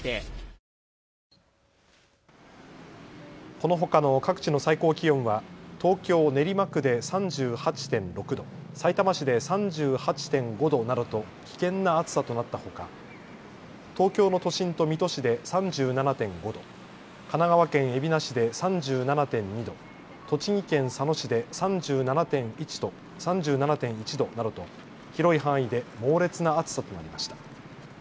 このほかの各地の最高気温は東京練馬区で３８．６度、さいたま市で３８．５度などと危険な暑さとなったほか東京の都心と水戸市で３７．５度、神奈川県海老名市で３７．２度、栃木県佐野市で３７．１度などと広い範囲で猛烈な暑さとなりました。